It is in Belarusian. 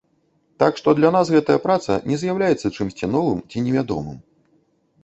Так што для нас гэтая праца не з'яўляецца чымсьці новым ці невядомым.